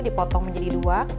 dipotong menjadi dua